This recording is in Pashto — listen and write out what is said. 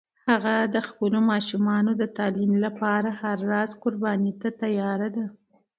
هغه د خپلو ماشومانو د تعلیم لپاره هر راز قربانی ته تیار ده